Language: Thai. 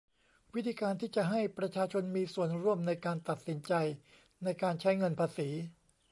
วิธีการที่จะให้ประชาชนมีส่วนร่วมในการตัดสินใจในการใช้เงินภาษี